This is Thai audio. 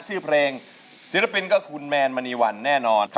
ชื่อเพลงศิลปินก็คุณแมนมณีวันแน่นอน